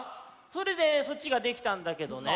それでそっちができたんだけどね。